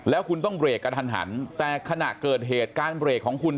แล้วคุณต้องเบรกกระทันหันแต่ขณะเกิดเหตุการเบรกของคุณ